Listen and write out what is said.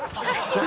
何？